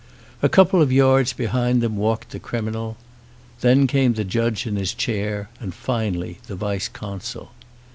A couple of yards behind them walked the criminal. Then came the judge in his chair and finally the vice consul.